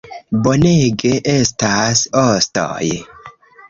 Bonege, estas ostoj